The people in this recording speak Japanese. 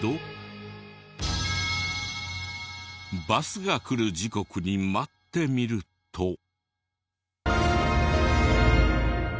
バスが来る時刻に待ってみると。